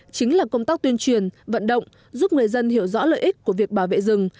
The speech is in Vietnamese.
chính là công tác tuyên truyền vận động giúp người dân hiểu rõ lợi ích của việc bảo vệ rừng